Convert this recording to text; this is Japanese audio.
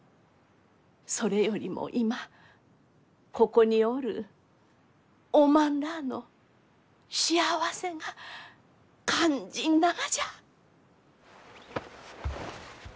それよりも今ここにおるおまんらあの幸せが肝心ながじゃ。